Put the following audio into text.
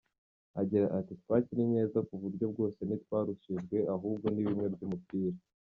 Agira ati “Twakinnye neza ku buryo bwose ntitwarushijwe ahubwo ni bimwe by’umupira.